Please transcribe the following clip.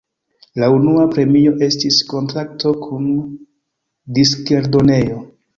La unua premio estis kontrakto kun diskeldonejo.